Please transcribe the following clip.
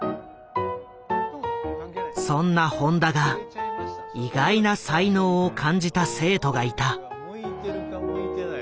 そんな本多が意外な才能を感じた生徒がいた。